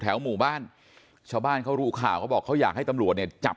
หมู่บ้านชาวบ้านเขารู้ข่าวเขาบอกเขาอยากให้ตำรวจเนี่ยจับ